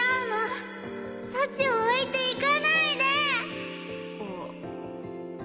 幸を置いていかないで！